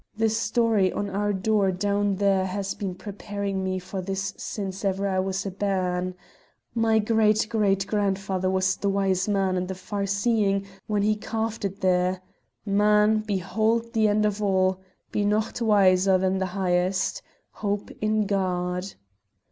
the story on our door down there has been preparing me for this since ever I was a bairn. My great great grandfather was the wise man and the far seeing when he carved it there 'Man, Behauld the End of All, Be nocht Wiser than the Hiest. Hope in God!'"